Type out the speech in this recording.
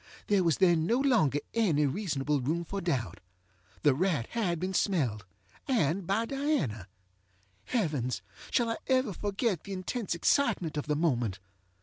There was then no longer any reasonable room for doubt. The rat had been smelledŌĆöand by Diana. Heavens! shall I ever forget the intense excitement of the moment?